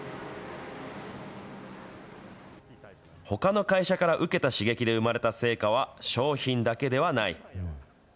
ほかの会社から受けた刺激で生まれた成果は商品だけではない。